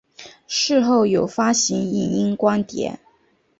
事后有发行影音光碟。